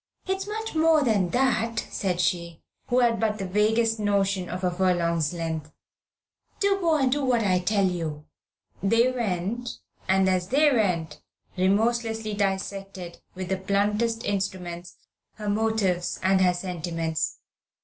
"It's much more than that," said she, who had but the vaguest notion of a furlong's length. "Do go and do what I tell you." They went, and, as they went, remorselessly dissected, with the bluntest instruments, her motives and her sentiments.